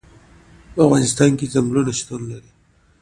په افغانستان کې ځنګلونه شتون لري.